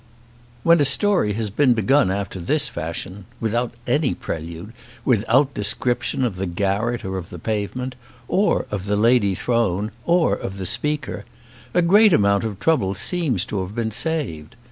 When a story has been begun after this fashion, without any prelude, without description of the garret or of the pavement, or of the lady thrown, or of the speaker, a great amount of trouble seems to have been saved.